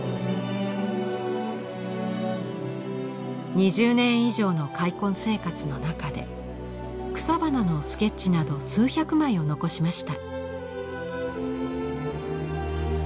２０年以上の開墾生活の中で草花のスケッチなど数百枚を残しました。